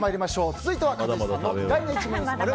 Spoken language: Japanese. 続いては勝地さんの意外な一面に迫る